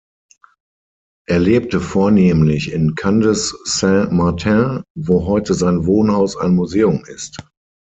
Er lebte vornehmlich in Candes-Saint-Martin, wo heute sein Wohnhaus ein Museum ist.